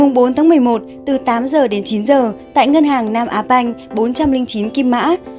ngày bốn một mươi một từ tám giờ đến chín giờ tại ngân hàng nam á banh bốn trăm linh chín kim mã